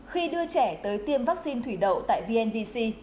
khi đưa trẻ tới tiêm vắc xin thủy đậu tại vnbc